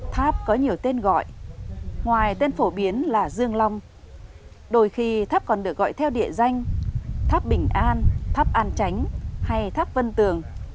tháp có nhiều tên gọi ngoài tên phổ biến là dương long đôi khi tháp còn được gọi theo địa danh tháp bình an tháp an chánh hay tháp vân tường